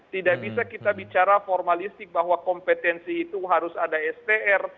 tidak bisa kita bicara formalistik bahwa kompetensi itu harus ada str